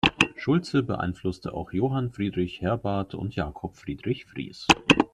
Schulze beeinflusste auch Johann Friedrich Herbart und Jakob Friedrich Fries.